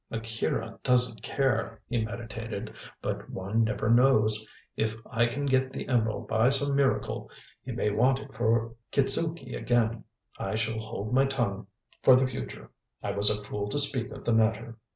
"Akira doesn't care," he meditated; "but one never knows. If I can get the emerald by some miracle, he may want it for Kitzuki again. I shall hold my tongue for the future. I was a fool to speak of the matter."